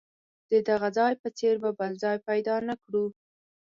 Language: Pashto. د دغه ځای په څېر به بل ځای پیدا نه کړو.